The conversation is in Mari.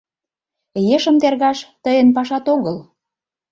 Ешым тергаш — тыйын пашат огыл.